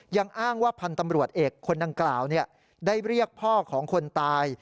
ยังอ้างว่าพันธ์ตำรวจเอกคนดังกล่าวได้เรียกพ่อของคนตาย